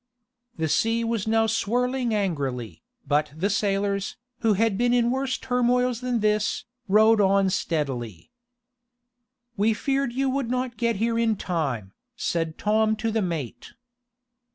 The sea was now swirling angrily, but the sailors, who had been in worse turmoils than this, rowed on steadily. "We feared you would not get here in time," said Tom to the mate.